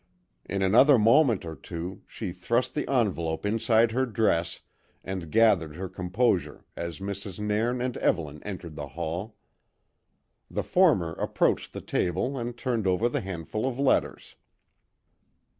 In another moment or two, she thrust the envelope inside her dress, and gathered her composure as Mrs. Nairn and Evelyn entered the hall. The former approached the table and turned over the handful of letters.